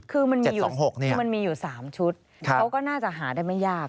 ๗๒๖นี้คือมันมีอยู่๓ชุดเขาก็น่าจะหาได้ไม่ยาก